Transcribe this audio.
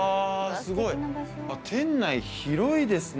すごい店内広いですね